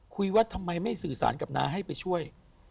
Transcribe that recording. คุยว่าทำไมไม่สื่อสารกับน้าให้ไปช่วย